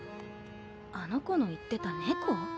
あの子の言ってたネコ？